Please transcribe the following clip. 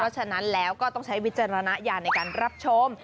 ชนระนะญาในการรับชม